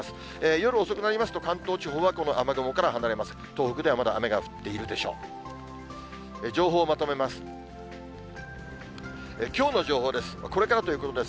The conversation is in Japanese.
夜遅くなりますと、関東地方はこの雨雲から離れます。